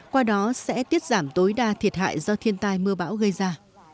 qua đó sẽ tiết giảm tối đa thiệt hại do thiên tai mưa bão gây ra